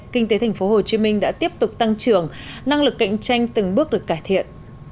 kinh tế tp hcm đã tiếp tục tăng trưởng năng lực cạnh tranh từng bước được cải thiện